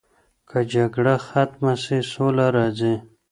که جګړه ختمه سي سوله راځي.